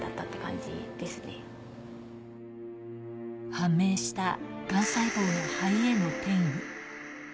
判明したがん細胞の肺への転移。